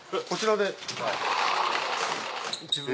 こちらで？